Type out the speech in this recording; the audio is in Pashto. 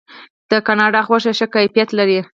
د کاناډا غوښه ښه کیفیت لري.